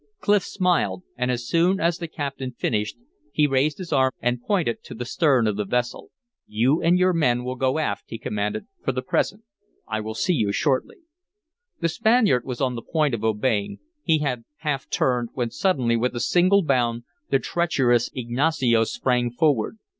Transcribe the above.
Clif smiled; and as soon as the captain finished he raised his arm and pointed to the stern of the vessel. "You and your men will go aft," he commanded, "for the present; I will see you shortly." The Spaniard was on the point of obeying; he had half turned, when suddenly with a single bound the treacherous Ignacio sprang forward.